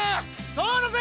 そうだぜ！